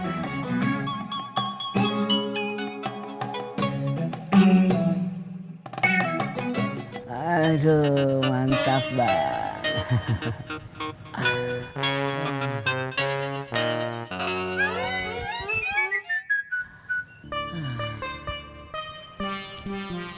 aduh mantap banget